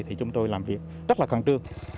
thì chúng tôi làm việc rất là khẳng trương